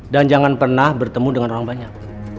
dan jangan pernah bertemu dengan orang banyak